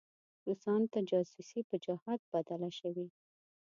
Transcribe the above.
روسانو ته جاسوسي په جهاد بدله شوې.